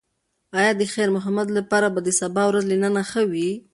ایا د خیر محمد لپاره به د سبا ورځ له نن ښه وي؟